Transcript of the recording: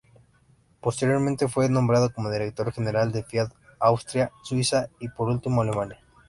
Posteriormente, fue nombrado como director general de Fiat Austria, Suiza y por último Alemania.